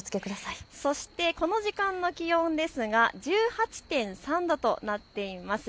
そしてこの時間の気温ですが１８．３度となっています。